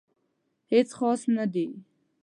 هیڅ خاص نه دي